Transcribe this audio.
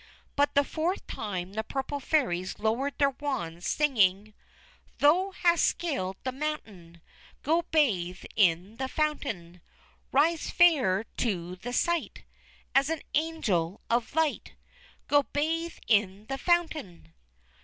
But the fourth time the Purple Fairies lowered their wands, singing: "_Thou hast scaled the mountain, Go, bathe in the Fountain; Rise fair to the sight, As an angel of light; Go bathe in the Fountain!